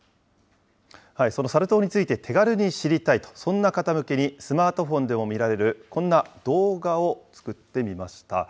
そのサル痘について、手軽に知りたいと、そんな方向けに、スマートフォンでも見られるこんな動画を作ってみました。